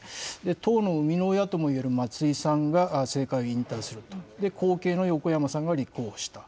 党の生みの親といえる松井さんが政界引退すると、後継の横山さんが立候補した。